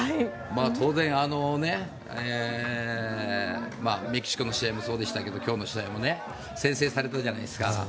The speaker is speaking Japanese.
当然、メキシコの試合もそうでしたけど今日の試合も先制されたじゃないですか。